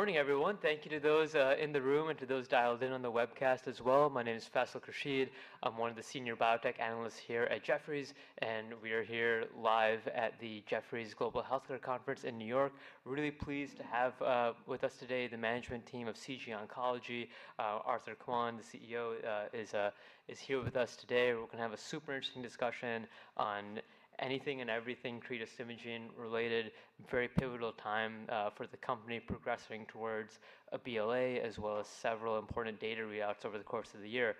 Good morning, everyone. Thank you to those in the room and to those dialed in on the webcast as well. My name is Faisal Khurshid. I'm one of the senior biotech analysts here at Jefferies. We are here live at the Jefferies Global Healthcare Conference in New York. Really pleased to have with us today the management team of CG Oncology. Arthur Kuan, the CEO, is here with us today. We're going to have a super interesting discussion on anything and everything cretostimogene-related. Very pivotal time for the company progressing towards a BLA, as well as several important data readouts over the course of the year.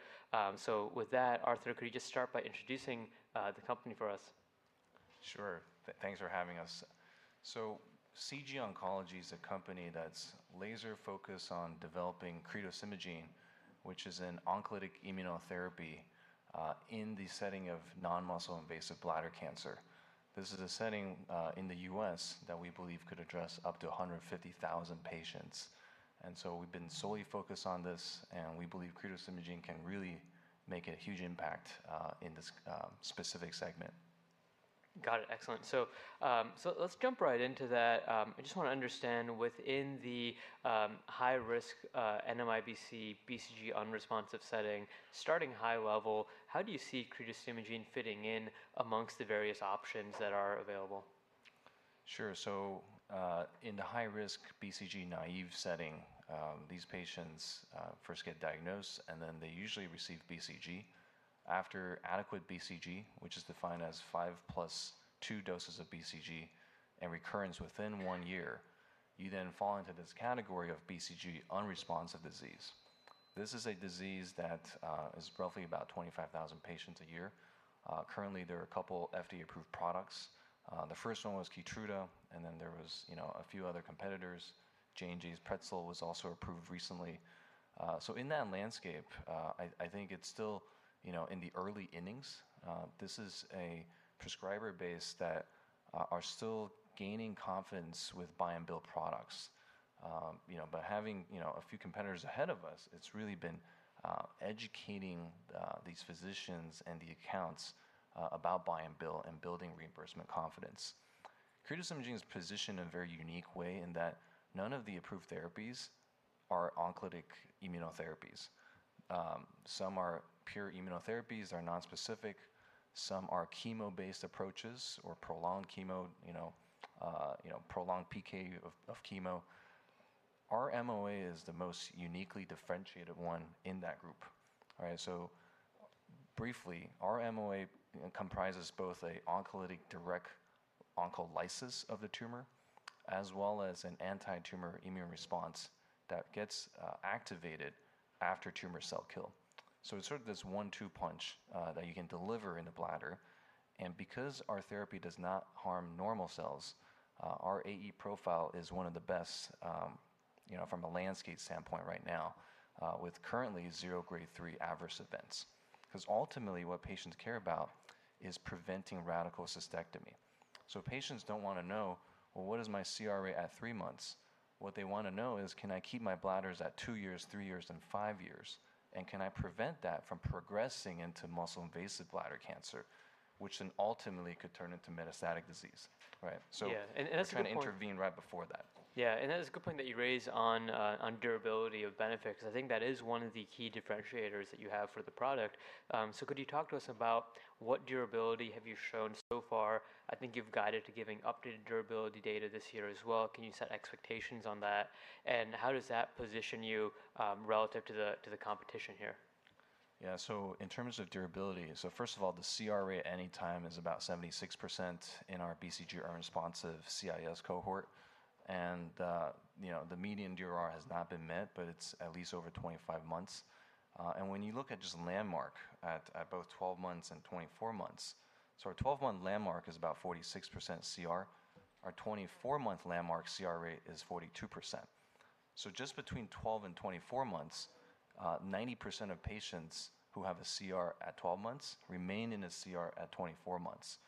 With that, Arthur, could you just start by introducing the company for us? Sure. Thanks for having us. CG Oncology is a company that's laser focused on developing cretostimogene, which is an oncolytic immunotherapy in the setting of Non-Muscle Invasive Bladder Cancer. This is a setting in the U.S. that we believe could address up to 150,000 patients. We've been solely focused on this, and we believe cretostimogene can really make a huge impact in this specific segment. Got it. Excellent. Let's jump right into that. I just want to understand, within the high-risk NMIBC BCG unresponsive setting, starting at a high level, how do you see cretostimogene fitting in amongst the various options that are available? Sure. In the high-risk BCG-naive setting, these patients first get diagnosed, and then they usually receive BCG. After adequate BCG, which is defined as five plus two doses of BCG, and recurrence within one year, you then fall into this category of BCG-unresponsive disease. This is a disease that is roughly about 25,000 patients a year. Currently, there are a couple FDA-approved products. The first one was KEYTRUDA, and then there were a few other competitors. J&J's BALVERSA was also approved recently. In that landscape, I think it's still in the early innings. This is a prescriber base that is still gaining confidence with buy-and-bill products. Having a few competitors ahead of us, it's really been educating these physicians and the accounts about buy and bill and building reimbursement confidence. cretostimogene is positioned in a very unique way in that none of the approved therapies are oncolytic immunotherapies. Some are pure immunotherapies and are nonspecific. Some are chemo-based approaches or prolonged PK of chemo. Our MOA is the most uniquely differentiated one in that group. All right. Briefly, our MOA comprises both a direct oncolysis of the tumor, as well as an anti-tumor immune response that gets activated after tumor cell kill. It's sort of this one-two punch that you can deliver in the bladder. Because our therapy does not harm normal cells, our AE profile is one of the best from a landscape standpoint right now, with currently zero Grade 3 adverse events. Because ultimately, what patients care about is preventing radical cystectomy. Patients don't want to know, "Well, what is my CR rate at three months?" What they want to know is, "Can I keep my bladders at two years, three years, and five years, and can I prevent that from progressing into muscle-invasive bladder cancer?" Which then ultimately could turn into metastatic disease, right? Yeah, that's a good point. We're trying to intervene right before that. That is a good point that you raise on durability of benefit, because I think that is one of the key differentiators that you have for the product. Could you talk to us about what durability you have shown so far? I think you've guided to giving updated durability data this year as well. Can you set expectations on that, and how does that position you relative to the competition here? Yeah. In terms of durability, first of all, the CR rate at any time is about 76% in our BCG-unresponsive CIS cohort. The median DOR has not been met, but it's at least over 25 months. When you look at just the landmark at both 12 months and 24 months, our 12-month landmark is about 46% CR. Our 24-month landmark CR rate is 42%. Just between 12 and 24 months, 90% of patients who have a CR at 12 months remain in a CR at 24 months.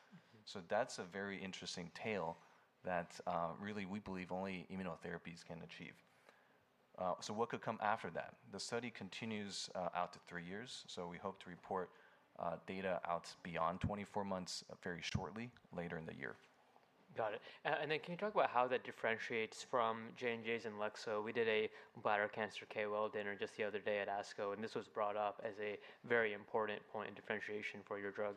That's a very interesting tale that really we believe only immunotherapies can achieve. What could come after that? The study continues out to three years, we hope to report data out beyond 24 months very shortly later in the year. Got it. Can you talk about how that differentiates from J&J's INLEXZO? We did a bladder cancer KOL dinner just the other day at ASCO, this was brought up as a very important point in differentiation for your drug.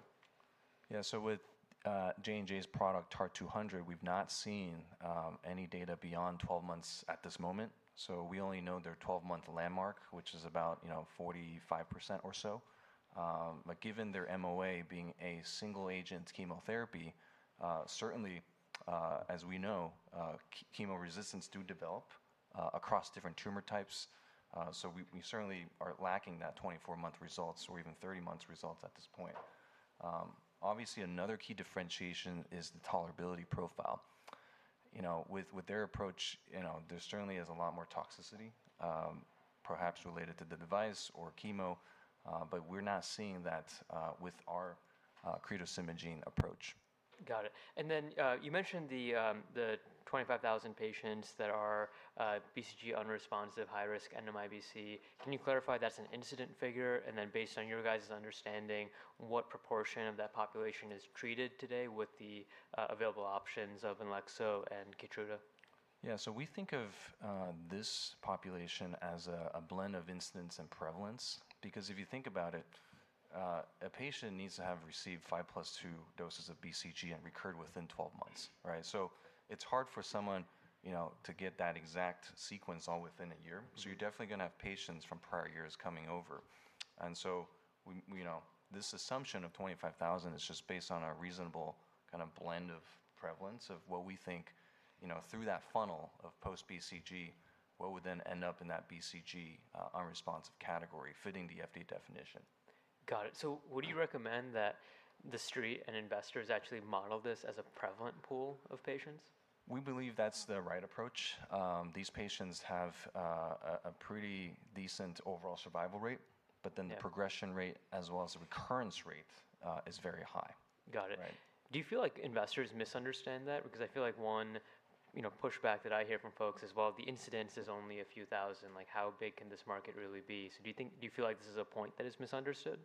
With J&J's product TAR-200, we've not seen any data beyond 12 months at this moment. We only know their 12-month landmark, which is about 45% or so. Given their MOA being a single-agent chemotherapy, certainly, as we know, chemo resistance does develop across different tumor types. We certainly are lacking those 24-month results or even 30 months results at this point. Obviously, another key differentiation is the tolerability profile. With their approach, there certainly is a lot more toxicity, perhaps related to the device or chemo, but we're not seeing that with our cretostimogene approach. Got it. Then you mentioned the 25,000 patients that are BCG unresponsive high-risk NMIBC. Can you clarify if that's an incident figure, and then based on your guys' understanding, what proportion of that population is treated today with the available options of INLEXZO and KEYTRUDA? Yeah. We think of this population as a blend of incidence and prevalence, because if you think about it, a patient needs to have received five plus two doses of BCG and recurred within 12 months, right? It's hard for someone to get that exact sequence all within a year. You're definitely going to have patients from prior years coming over. This assumption of 25,000 is just based on a reasonable kind of blend of prevalence of what we think through that funnel of post-BCG, which would then end up in that BCG unresponsive category fitting the FDA definition. Got it. Would you recommend that the street and investors actually model this as a prevalent pool of patients? We believe that's the right approach. These patients have a pretty decent overall survival rate. Yeah The progression rate as well as the recurrence rate is very high. Got it. Right. Do you feel like investors misunderstand that? I feel like one pushback that I hear from folks is, "Well, the incidence is only a few thousand." How big can this market really be?" Do you feel like this is a point that is misunderstood?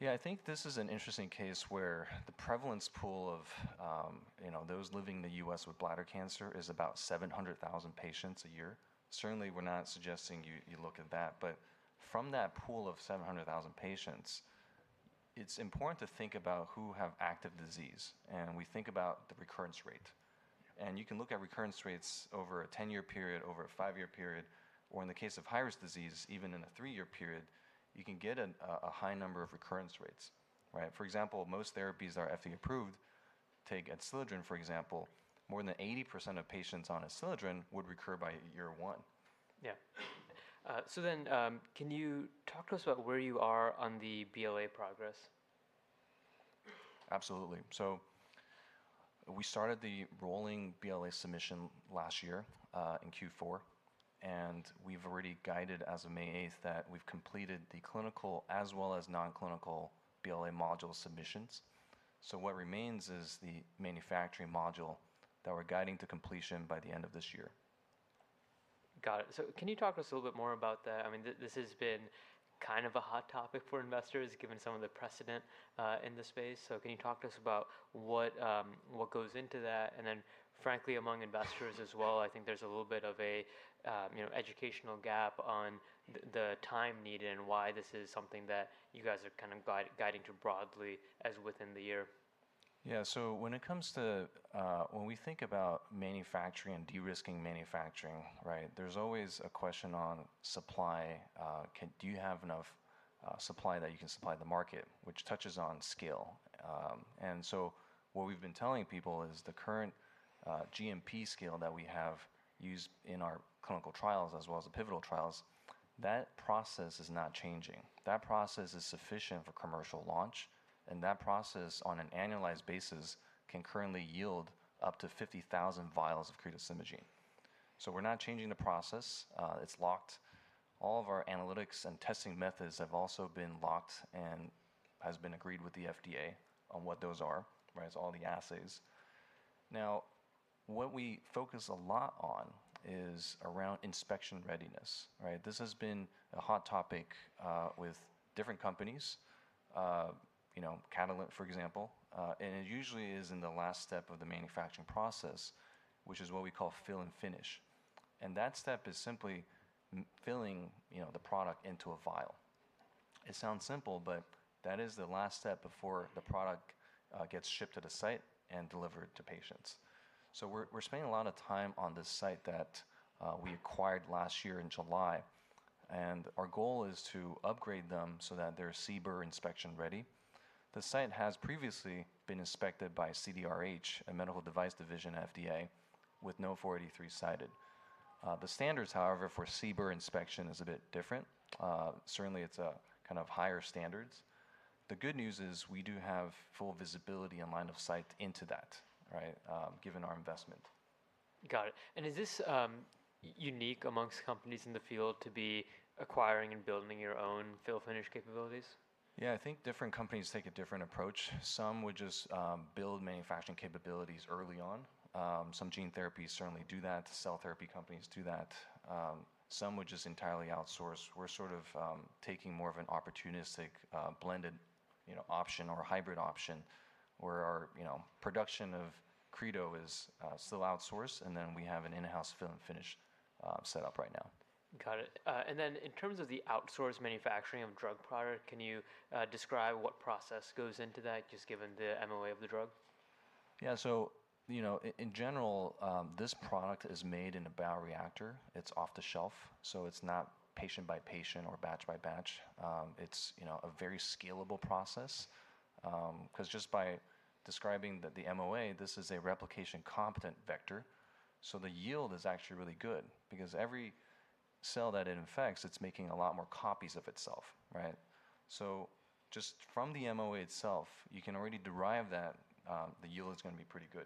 Yeah. I think this is an interesting case where the prevalence pool of those living in the U.S. with bladder cancer is about 700,000 patients a year. Certainly, we're not suggesting you look at that, but from that pool of 700,000 patients, it's important to think about who has active disease, and we think about the recurrence rate. And you can look at recurrence rates over a 10-year period, over a five-year period, or in the case of high-risk disease, even in a three-year period, you can get a high number of recurrence rates. Right? For example, most therapies that are FDA approved, take ADCETRIS for example, more than 80% of patients on ADCETRIS would recur by year one. Yeah. Can you talk to us about where you are on the BLA progress? Absolutely. We started the rolling BLA submission last year in Q4, and we've already guided as of May 8th that we've completed the clinical as well as non-clinical BLA module submissions. What remains is the manufacturing module that we're guiding to completion by the end of this year. Got it. Can you talk to us a little bit more about that? This has been kind of a hot topic for investors given some of the precedent in the space. Can you talk to us about what goes into that? Frankly, among investors as well, I think there's a little bit of an educational gap on the time needed and why this is something that you guys are kind of guiding to broadly as within the year. When we think about manufacturing and de-risking manufacturing, there's always a question on supply. Do you have enough supply that you can supply the market, which touches on scale. What we've been telling people is the current GMP scale that we have used in our clinical trials as well as the pivotal trials, that process is not changing. That process is sufficient for commercial launch, and that process on an annualized basis can currently yield up to 50,000 vials of cretostimogene. We're not changing the process. It's locked. All of our analytics and testing methods have also been locked, and there has been agreement with the FDA on what those are, so all the assays. What we focus a lot on is around inspection readiness. This has been a hot topic with different companies, Catalent, for example. It usually is in the last step of the manufacturing process, which is what we call fill and finish. That step is simply filling the product into a vial. It sounds simple. That is the last step before the product gets shipped to the site and delivered to patients. We're spending a lot of time on this site that we acquired last year in July. Our goal is to upgrade them so that they're CBER inspection-ready. The site has previously been inspected by CDRH, a medical device division of the FDA, with no 483 cited. The standards, however, for CBER inspection are a bit different. Certainly, it's a kind of higher standards. The good news is we do have full visibility and line of sight into that, given our investment. Got it. Is this unique amongst companies in the field to be acquiring and building your own fill-finish capabilities? Yeah. I think different companies take a different approach. Some would just build manufacturing capabilities early on. Some gene therapies certainly do that. Cell therapy companies do that. Some would just entirely outsource. We're sort of taking more of an opportunistic blended option or a hybrid option where our production of credo is still outsourced, and then we have an in-house fill and finish set up right now. Got it. Then in terms of the outsourced manufacturing of drug products, can you describe what process goes into that, just given the MOA of the drug? In general, this product is made in a bioreactor. It's off the shelf, so it's not patient by patient or batch by batch. It's a very scalable process, because just by describing the MOA, this is a replication-competent vector, so the yield is actually really good, because every cell that it infects, it's making a lot more copies of itself, right? Just from the MOA itself, you can already derive that the yield is going to be pretty good.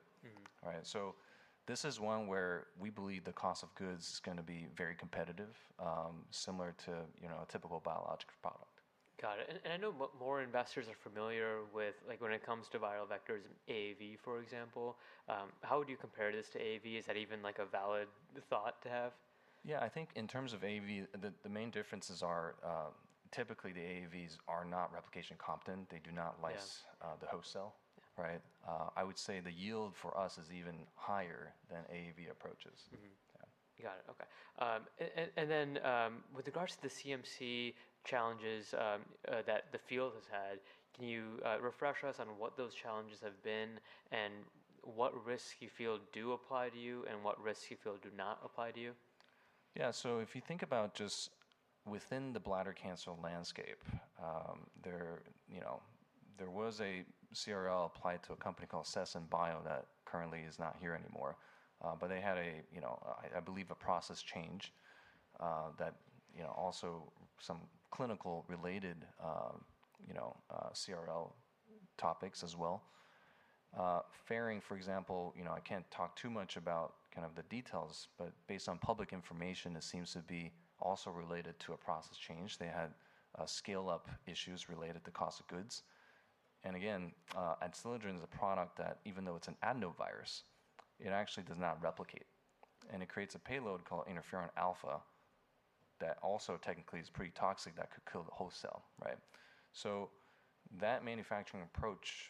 This is one where we believe the cost of goods is going to be very competitive, similar to a typical biological product. Got it. I know more investors are familiar with when it comes to viral vectors, AAV, for example. How would you compare this to AAV? Is that even a valid thought to have? Yeah, I think in terms of AAV, the main differences are typically that the AAVs are not replication-competent. They do not lyse— Yeah ...the host cell. Right? I would say the yield for us is even higher than AAV approaches. Yeah. Got it. Okay. Then with regards to the CMC challenges that the field has had, can you refresh us on what those challenges have been, what risks you feel do apply to you, and what risks you feel do not apply to you? Yeah. If you think about just within the bladder cancer landscape, there was a CRL applied to a company called Sesen Bio that currently is not here anymore. They had, I believe, a process change that also had some clinical-related CRL topics as well. Ferring, for example, I can't talk too much about the details, based on public information, it seems to be also related to a process change. They had scale-up issues related to the cost of goods. Again, ADSTILADRIN is a product that, even though it's an adenovirus, actually does not replicate, and it creates a payload called interferon alfa that also technically is pretty toxic that could kill the host cell. Right? That manufacturing approach,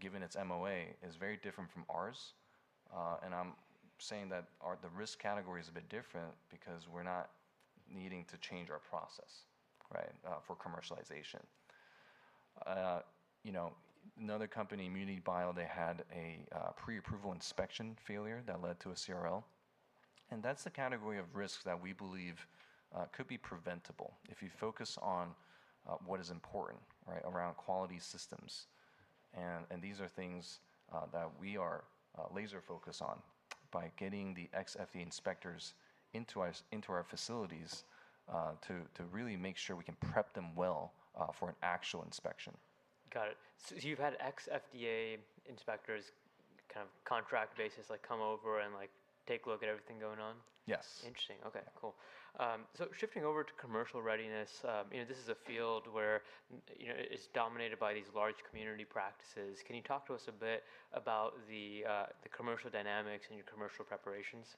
given its MOA, is very different from ours. I'm saying that the risk category is a bit different because we're not needing to change our process for commercialization. Another company, ImmunityBio, they had a pre-approval inspection failure that led to a CRL, and that's the category of risk that we believe could be preventable if you focus on what is important around quality systems. These are things that we are laser focused on by getting the ex-FDA inspectors into our facilities to really make sure we can prep them well for an actual inspection. Got it. You've had ex-FDA inspectors on a contract basis come over and take a look at everything going on? Yes. Interesting. Okay, cool. Shifting over to commercial readiness, this is a field where it's dominated by these large community practices. Can you talk to us a bit about the commercial dynamics and your commercial preparations?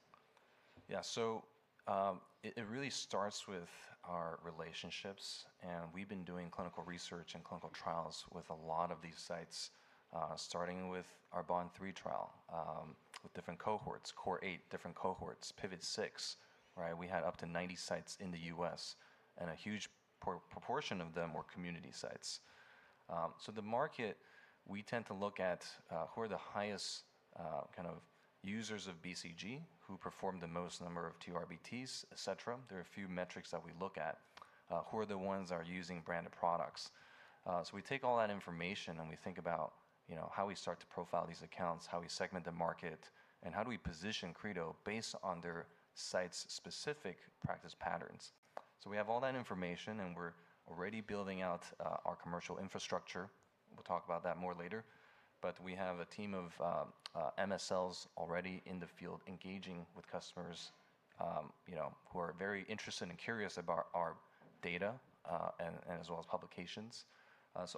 It really starts with our relationships, and we've been doing clinical research and clinical trials with a lot of these sites, starting with our BOND-003 trial with different cohorts, CORE-008 with different cohorts, and PIVOT-006. We had up to 90 sites in the U.S., and a huge proportion of them were community sites. The market we tend to look at who are the highest users of BCG, who perform the most number of TURBT, et cetera. There are a few metrics that we look at. Who are the ones that are using branded products? We take all that information, and we think about how we start to profile these accounts, how we segment the market, and how we position cretostimogene based on their site's specific practice patterns. We have all that information, and we're already building out our commercial infrastructure. We'll talk about that more later. We have a team of MSLs already in the field engaging with customers who are very interested and curious about our data, and as well as publications.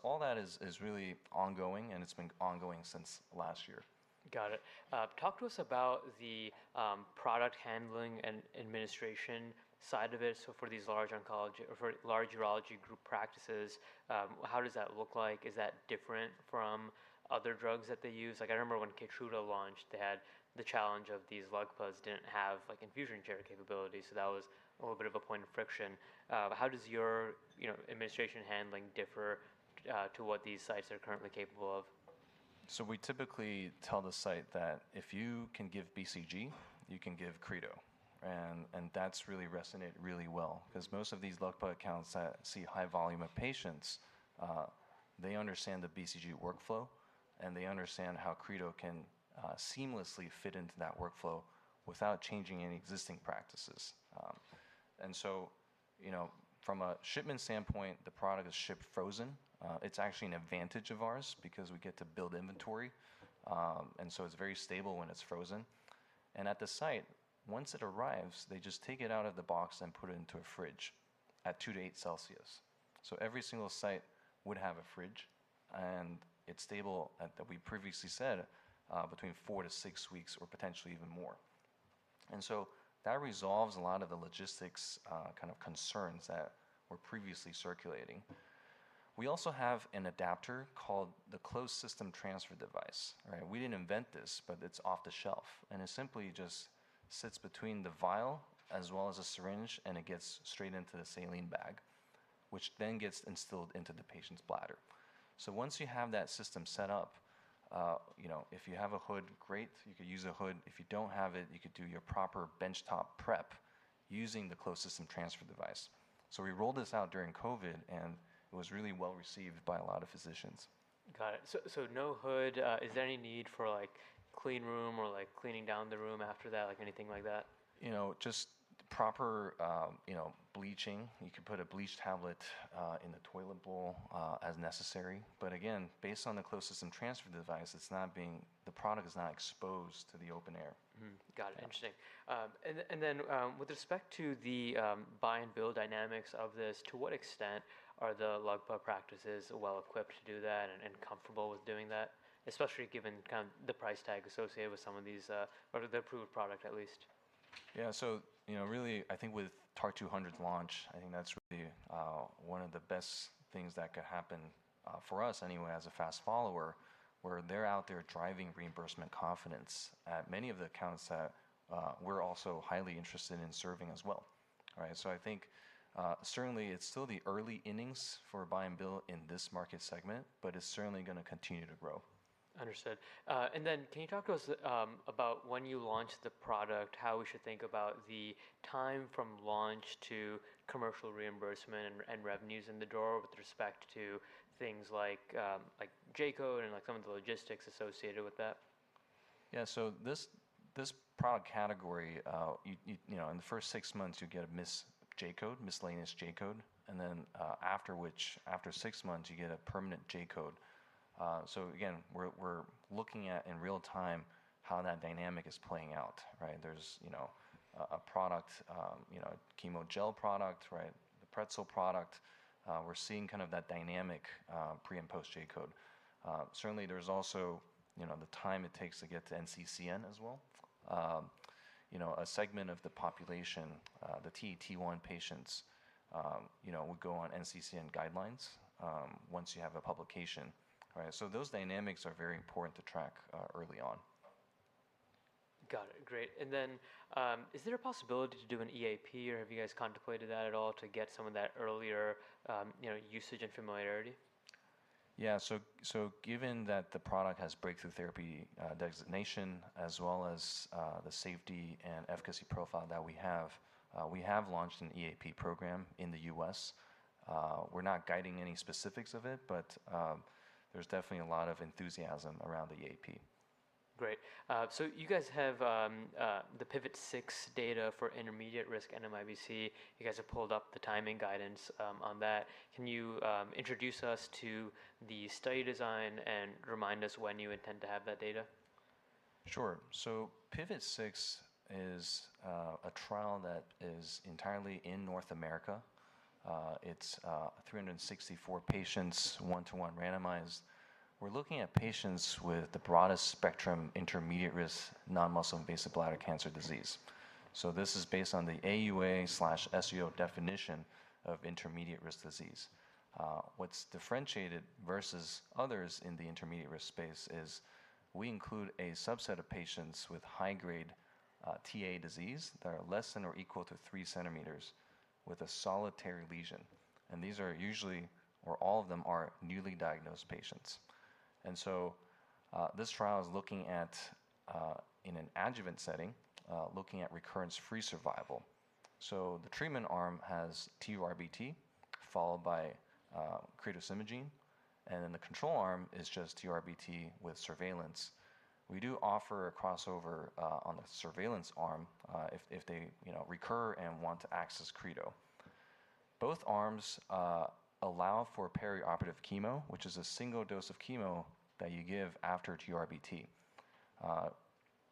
All that is really ongoing, and it's been ongoing since last year. Got it. Talk to us about the product handling and administration side of it. For these large urology group practices, what does that look like? Is that different from other drugs that they use? I remember when KEYTRUDA launched, they had the challenge of these LUGPAs not having infusion chair capabilities, so that was a little bit of a point of friction. How does your administration handling differ from what these sites are currently capable of? We typically tell the site that if you can give BCG, you can give cretostimogene. That's really resonated really well because most of these LUGPA accounts that see a high volume of patients, they understand the BCG workflow, and they understand how cretostimogene can seamlessly fit into that workflow without changing any existing practices. From a shipment standpoint, the product is shipped frozen. It's actually an advantage of ours because we get to build inventory. It's very stable when it's frozen. At the site, once it arrives, they just take it out of the box and put it into a fridge at two to eight celsius. Every single site would have a fridge, and it's stable at, we previously said, between four to six weeks or potentially even more. That resolves a lot of the logistics concerns that were previously circulating. We also have an adapter called the Closed System Transfer Device. We didn't invent this, but it's off the shelf, and it simply just sits between the vial as well as a syringe, and it gets straight into the saline bag, which then gets instilled into the patient's bladder. Once you have that system set up, if you have a hood, great, you could use a hood. If you don't have it, you could do your proper benchtop prep using the Closed System Transfer Device. We rolled this out during COVID, and it was really well received by a lot of physicians. Got it. No hood. Is there any need for a cleanroom or cleaning down the room after that, anything like that? Just proper bleaching. You could put a bleach tablet in the toilet bowl as necessary. Again, based on the Closed System Transfer Device, the product is not exposed to the open air. Mm-hmm. Got it. Interesting. With respect to the buy and bill dynamics of this, to what extent are the LUGPA practices well equipped to do that and comfortable with doing that, especially given the price tag associated with some of these or the approved product at least? Yeah. Really, I think with the TAR-200 launch, I think that's really one of the best things that could happen for us anyway as a fast follower, where they're out there driving reimbursement confidence at many of the accounts that we're also highly interested in serving as well. All right. I think certainly it's still the early innings for buy and bill in this market segment, but it's certainly going to continue to grow. Understood. Then can you talk to us about when you launch the product, how we should think about the time from launch to commercial reimbursement and revenues in the door with respect to things like J-code and some of the logistics associated with that? This product category, in the first six months, you get a misc. J-code, a miscellaneous J-code, and then after six months, you get a permanent J-code. Again, we're looking at in real time how that dynamic is playing out, right? There's a chemo gel product, right? The ADSTILADRIN product. We're seeing that dynamic pre- and post-J-code. Certainly, there's also the time it takes to get to NCCN as well. A segment of the population, the T1 patients, would go on NCCN guidelines once you have a publication. Right. Those dynamics are very important to track early on. Got it. Great. Is there a possibility to do an EAP or have you guys contemplated that at all to get some of that earlier usage and familiarity? Yeah. Given that the product has breakthrough therapy designation as well as the safety and efficacy profile that we have, we have launched an EAP program in the U.S. We're not guiding any specifics of it, but there's definitely a lot of enthusiasm around the EAP. Great. You guys have the PIVOT-006 data for intermediate-risk NMIBC. You guys have pulled up the timing guidance on that. Can you introduce us to the study design and remind us when you intend to have that data? Sure. PIVOT-006 is a trial that is entirely in North America. It's 364 patients, one-to-one randomized. We're looking at patients with the broadest spectrum of intermediate-risk Non-Muscle Invasive Bladder Cancer Disease. This is based on the AUA/SUO definition of intermediate-risk disease. What's differentiated versus others in the intermediate-risk space is we include a subset of patients with high-grade Ta disease that are less than or equal to three centimeters with a solitary lesion, and these are usually, or all of them are, newly diagnosed patients. This trial is looking at it in an adjuvant setting, looking at recurrence-free survival. The treatment arm has TURBT followed by cretostimogene, and then the control arm is just TURBT with surveillance. We do offer a crossover on the surveillance arm if they recur and want to access cretostimogene. Both arms allow for perioperative chemo, which is a single dose of chemo that you give after TURBT.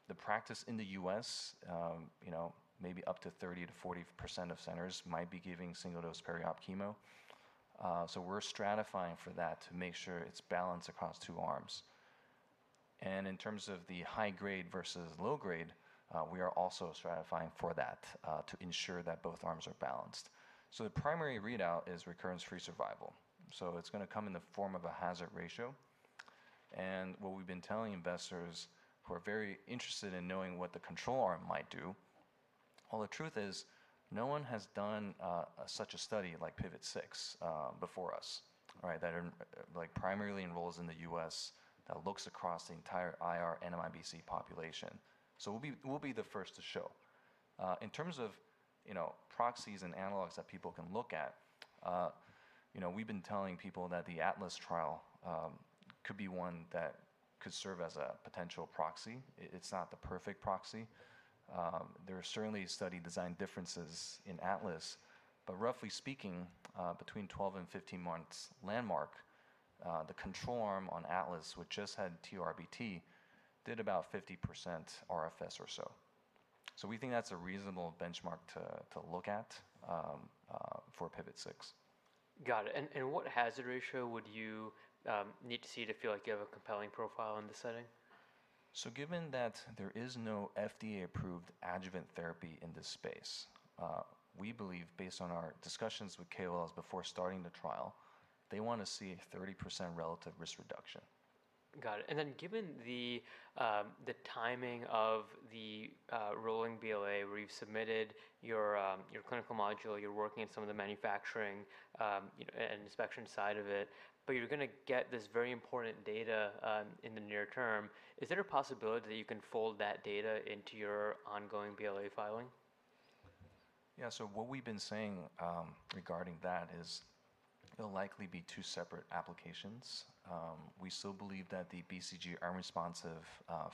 The practice in the U.S., maybe up to 30%-40% of centers might be giving single-dose perioperative chemo. We're stratifying for that to make sure it's balanced across two arms. In terms of the high grade versus low grade, we are also stratifying for that to ensure that both arms are balanced. The primary readout is recurrence-free survival. It's going to come in the form of a hazard ratio. What we've been telling investors who are very interested in knowing what the control arm might do, well, the truth is no one has done such a study like PIVOT-006 before us, right? That primarily enrolls in the U.S., that looks across the entire IR NMIBC population. We'll be the first to show. In terms of proxies and analogs that people can look at, we've been telling people that the ATLAS trial could be one that could serve as a potential proxy. It's not the perfect proxy. There are certainly study design differences in ATLAS, but roughly speaking, between 12 and 15 months, the control arm on ATLAS, which just had TURBT, did about 50% RFS or so. We think that's a reasonable benchmark to look at for PIVOT-006. Got it. What hazard ratio would you need to see to feel like you have a compelling profile in this setting? Given that there is no FDA-approved adjuvant therapy in this space, we believe based on our discussions with KOLs before starting the trial, they want to see a 30% relative risk reduction. Got it. Given the timing of the rolling BLA where you've submitted your clinical module, you're working on some of the manufacturing and inspection side of it, but you're going to get this very important data in the near term. Is there a possibility that you can fold that data into your ongoing BLA filing? What we've been saying regarding that is they'll likely be two separate applications. We still believe that the BCG-unresponsive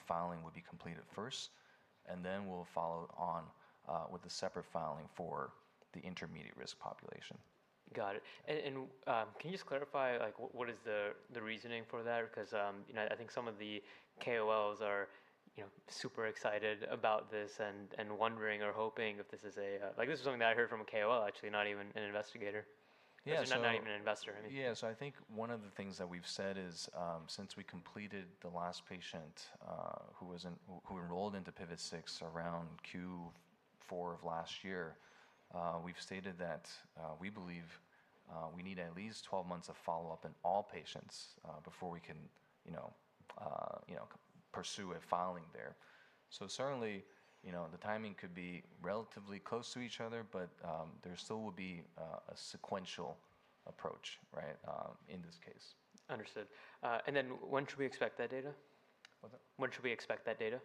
filing would be completed first, and then we'll follow on with a separate filing for the intermediate-risk population. Got it. Can you just clarify what the reasoning for that is? I think some of the KOLs are super excited about this and wondering or hoping if This is something that I heard from a KOL actually, not even an investigator. Yeah, Because I'm not even an investor. I mean. Yeah. I think one of the things that we've said is, since we completed the last patient who enrolled in PIVOT-006 around Q4 of last year, we've stated that we believe we need at least 12 months of follow-up in all patients before we can pursue a filing there. Certainly, the timing could be relatively close to each other, but there still would be a sequential approach in this case. Understood. Then when should we expect that data? What's that? When should we expect that data?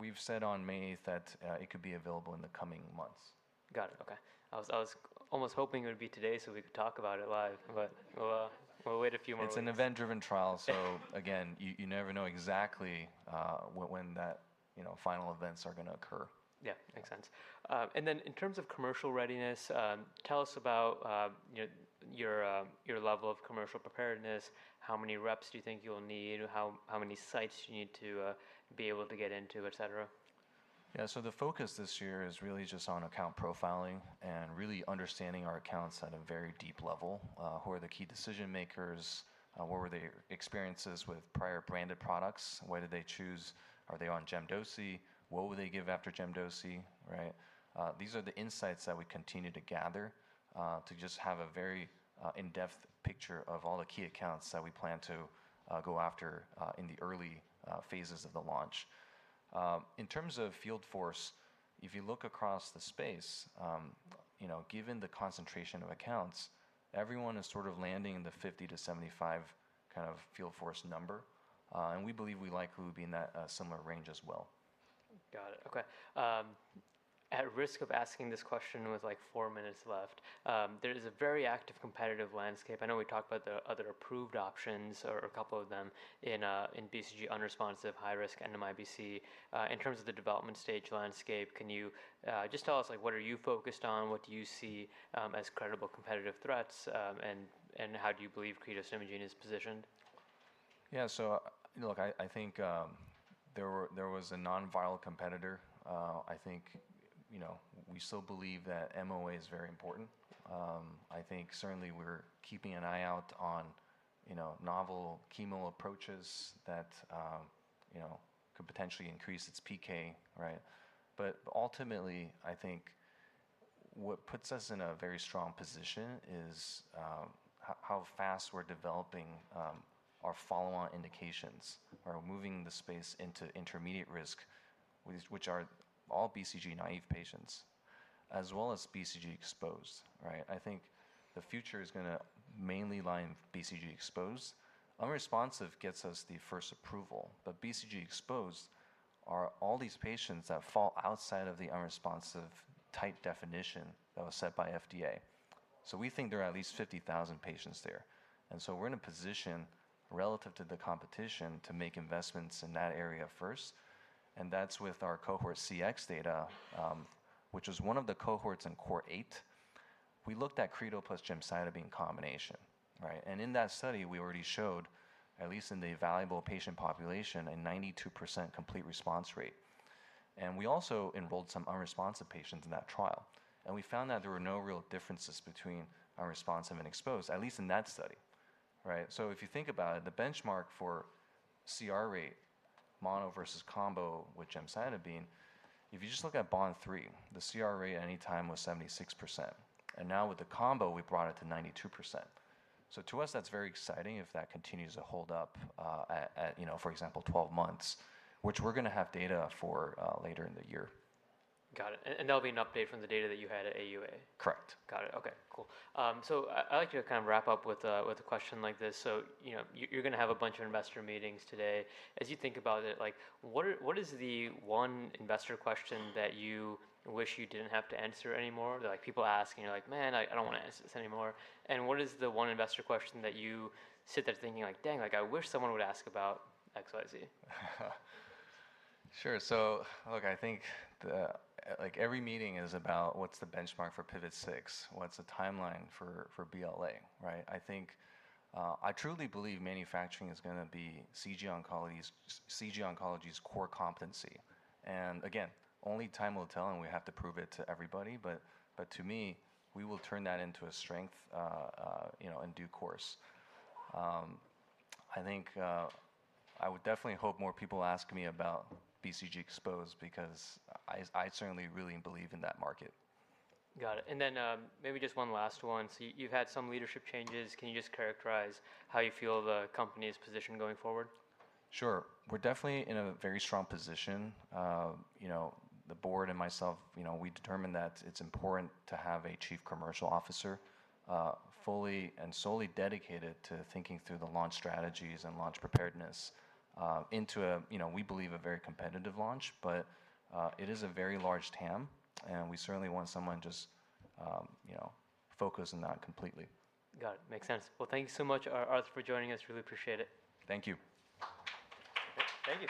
We've said in May that it could be available in the coming months. Got it. Okay. I was almost hoping it would be today so we could talk about it live, but we'll wait a few more weeks. It's an event-driven trial again, you never know exactly when those final events are going to occur. Yeah. Makes sense. In terms of commercial readiness, tell us about your level of commercial preparedness, how many reps do you think you'll need, how many sites do you need to be able to get into, et cetera? The focus this year is really just on account profiling and really understanding our accounts at a very deep level. Who are the key decision-makers? What were their experiences with prior branded products? Why did they choose? Are they on gem/doce? What would they give after gem/doce? These are the insights that we continue to gather to just have a very in-depth picture of all the key accounts that we plan to go after in the early phases of the launch. In terms of field force, if you look across the space, given the concentration of accounts, everyone is sort of landing in the 50-75 field force number. We believe we likely will be in that similar range as well. Got it. Okay. At risk of asking this question with four minutes left, there is a very active competitive landscape. I know we talked about the other approved options, or a couple of them, in BCG-unresponsive high-risk NMIBC. In terms of the development stage landscape, can you just tell us what you are focused on, what you see as credible competitive threats, and how you believe cretostimogene Immunogen is positioned? Yeah. Look, I think there was a non-viral competitor. I think we still believe that MOA is very important. I think certainly we're keeping an eye on novel chemo approaches that could potentially increase its PK. Ultimately, I think what puts us in a very strong position is how fast we're developing our follow-on indications or moving the space into intermediate risk, which are all BCG-naive patients, as well as BCG exposed. I think the future is going to mainly lie in BCG exposed. Unresponsive gets us the first approval, but BCG exposed are all these patients that fall outside of the unresponsive type definition that was set by the FDA. We think there are at least 50,000 patients there. We're in a position relative to the competition to make investments in that area first, and that's with our CORE-008 Cohort CX data, which was one of the cohorts in CORE-008. We looked at the cretostimogene plus gemcitabine combination. In that study, we already showed, at least in the evaluable patient population, a 92% complete response rate. We also enrolled some unresponsive patients in that trial. We found that there were no real differences between unresponsive and exposed, at least in that study. If you think about it, the benchmark for the CR rate mono versus combo with gemcitabine, if you just look at BOND-003, the CR rate at any time was 76%. Now with the combo, we brought it to 92%. To us, that's very exciting if that continues to hold up at, for example, 12 months, which we're going to have data for later in the year. Got it, that'll be an update from the data that you had at AUA? Correct. Got it. Okay, cool. I like to wrap up with a question like this. You're going to have a bunch of investor meetings today. As you think about it, what is the one investor question that you wish you didn't have to answer anymore? That people ask and you're like, "Man, I don't want to answer this anymore." What is the one investor question that you sit there thinking like, "Dang, I wish someone would ask about XYZ"? Sure. Look, I think every meeting is about what's the benchmark for PIVOT-006, what's the timeline for BLA? I truly believe manufacturing is going to be CG Oncology's core competency, and again, only time will tell, and we have to prove it to everybody, but to me, we will turn that into a strength in due course. I would definitely hope more people ask me about BCG exposure because I certainly really believe in that market. Got it. Maybe just one last one. You've had some leadership changes. Can you just characterize how you feel the company is positioned going forward? Sure. We're definitely in a very strong position. The board and I determined that it's important to have a Chief Commercial Officer fully and solely dedicated to thinking through the launch strategies and launch preparedness into, we believe, a very competitive launch. It is a very large TAM, and we certainly want someone just focused on that completely. Got it. Makes sense. Well, thank you so much, Arth, for joining us. Really appreciate it. Thank you. Thank you.